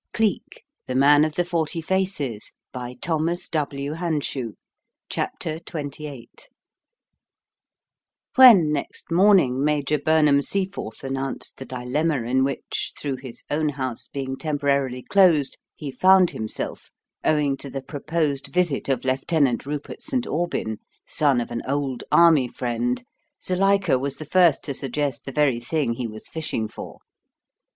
I'll drop in on you to morrow and have a little look round." CHAPTER XXVIII When, next morning, Major Burnham Seaforth announced the dilemma in which, through his own house being temporarily closed, he found himself owing to the proposed visit of Lieutenant Rupert St. Aubyn, son of an old army friend, Zuilika was the first to suggest the very thing he was fishing for.